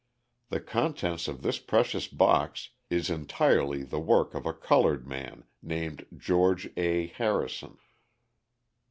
The contents of this precious box is entirely the work of a coloured man named George A. Harrison.